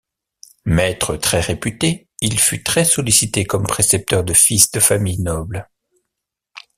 Maître très réputé, il fut très sollicité comme précepteur de fils de familles nobles.